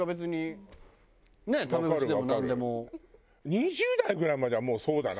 ２０代ぐらいまではもうそうだな。